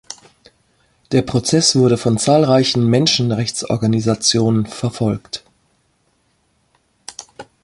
Der Prozess wurde von zahlreichen Menschenrechtsorganisationen verfolgt.